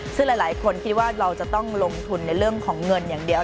ซึ่งหลายคนคิดว่าเราจะต้องลงทุนในเรื่องของเงินอย่างเดียว